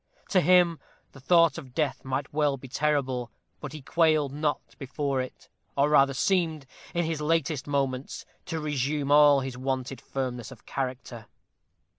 To him the thought of death might well be terrible, but he quailed not before it, or rather seemed, in his latest moments, to resume all his wonted firmness of character.